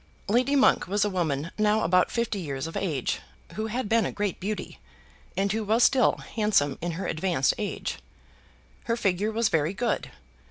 Lady Monk was a woman now about fifty years of age, who had been a great beauty, and who was still handsome in her advanced age. Her figure was very good.